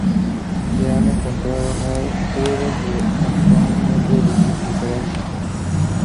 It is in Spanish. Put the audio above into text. Se han encontrados huevos de hasta un metro de circunferencia.